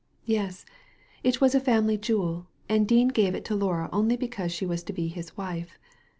''Yes; it was a family jewel, and Dean gave it to Laura only because she was to be lus wife.